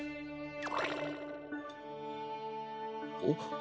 あっ。